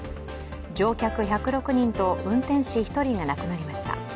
乗客１０６人と運転士１人が亡くなりました。